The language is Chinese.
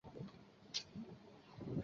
和应力一样都是由柯西提出。